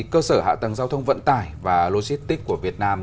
cơ sở hạ tầng giao thông vận tải và logistics của việt nam